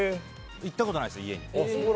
行ったことないです、家に。